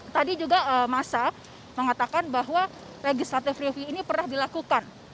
tadi juga masa mengatakan bahwa legislative review ini pernah dilakukan